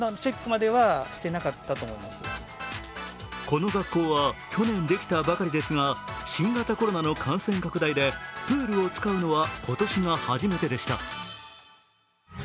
この学校は去年できたばかりですが、新型コロナの感染拡大でプールを使うのは今年が初めてでした。